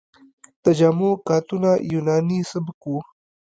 د جامو کاتونه یوناني سبک و